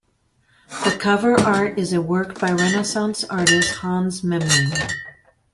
The cover art is a work by renaissance artist Hans Memling.